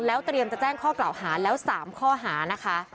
เตรียมจะแจ้งข้อกล่าวหาแล้ว๓ข้อหานะคะ